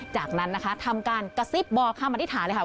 จากนั้นนะคะทำการกระซิบบอกคำอธิษฐานเลยค่ะ